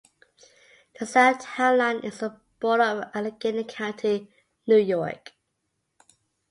The south town line is the border of Allegany County, New York.